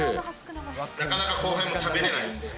なかなか後輩も食べれないです。